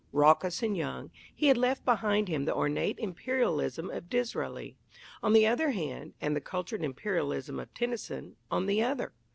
Raucous and young, he had left behind him the ornate Imperialism of Disraeli, on the one hand, and the cultured Imperialism of Tennyson, on the other.